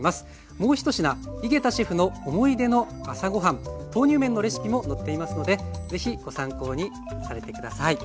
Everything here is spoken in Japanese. もう１品井桁シェフの思い出の朝ごはん豆乳麺のレシピも載っていますのでぜひご参考にされて下さい。